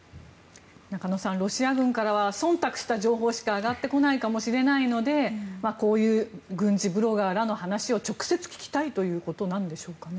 中野さん、ロシア軍からは忖度した情報しか上がってこないかもしれないのでこういう軍事ブロガーらの話を直接聞きたいということなんでしょうかね。